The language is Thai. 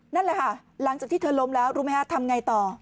นั่นแหละค่ะหลังจากที่เธอล้มแล้วรู้ไหมฮะทำไงต่อ